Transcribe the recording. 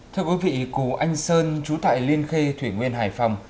thưa quý vị cú anh sơn chú tại liên khê thủy nguyên hải phòng